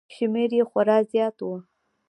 شمېر یې خورا زیات و